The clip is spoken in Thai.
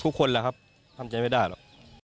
ทุกคนแหละครับทำอย่างนี้ไม่ได้หรอก